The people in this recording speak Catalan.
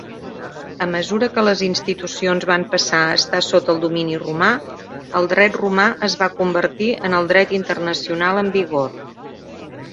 A mesura que les institucions van passar a estar sota el domini romà, el dret romà es va convertir en el dret internacional en vigor.